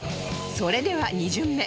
それでは２巡目